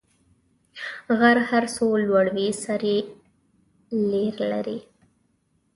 غر هر څو لوړ وي، سر یې لېر لري.